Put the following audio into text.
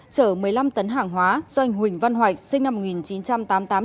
chở một mươi năm tấn hàng hóa do anh huỳnh văn hoạch sinh năm một nghìn chín trăm tám mươi tám